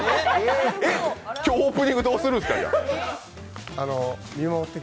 今日、オープニング、どうするんですか？